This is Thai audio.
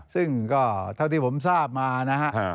ซึ่งก็เท่าที่ผมทราบมานะฮะ